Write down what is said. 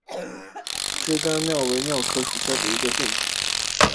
翅柄蓼为蓼科蓼属下的一个种。